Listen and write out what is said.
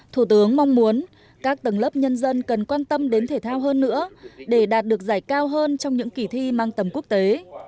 thủ tướng mong muốn các tầng lớp nhân dân cần quan tâm đến thể thao hơn nữa để đạt được giải cao hơn trong những kỳ thi mang tầm quốc tế